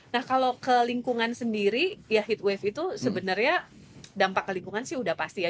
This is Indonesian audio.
nah kalau kelingkungan sendiri ya heat wave itu sebenarnya dampak kelingkungan sih sudah pasti ya